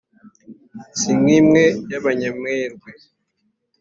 si nk’imwe y’abanyamerwe